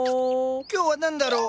今日は何だろう？